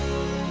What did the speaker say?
oh yang biel